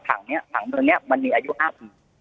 ถังเนี่ยถังเมืองเนี่ยมันมีอายุอัพ